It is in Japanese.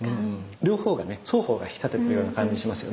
両方がね双方が引き立ててるような感じしますよね。